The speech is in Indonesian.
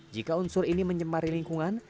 jika unsur ini menyemari lingkungan